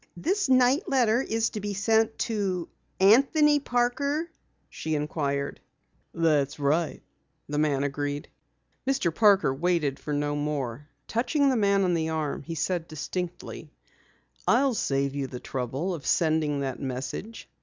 "This night letter is to be sent to Anthony Parker?" she inquired. "That's right," the man agreed. Mr. Parker waited for no more. Touching the man on the arm, he said distinctly: "I'll save you the trouble of sending that message.